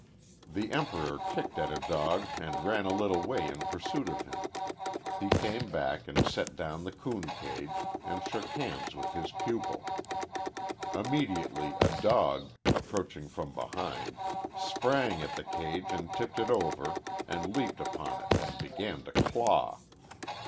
The Emperor kicked at a dog and ran a little way in pursuit of him. He came back and set down the coon cage and shook hands with his pupil. Immediately a dog, approaching from behind, sprang at the cage and tipped it over, and leaped upon it and began to claw.